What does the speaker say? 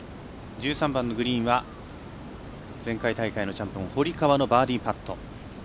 １３番のグリーンは前回大会のチャンピオン堀川のバーディーパット。